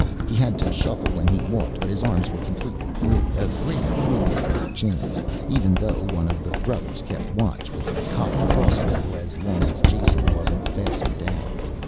He had to shuffle when he walked but his arms were completely free, a great improvement over the chains, even though one of the brothers kept watch with a cocked crossbow as long as Jason wasn't fastened down.